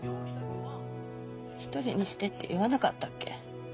１人にしてって言わなかったっけ？